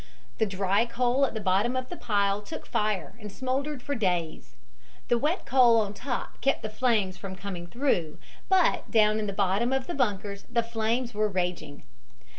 "The dry coal at the bottom of the pile took fire, and smoldered for days. The wet coal on top kept the flames from coming through, but down in the bottom of the bunkers the flames were raging.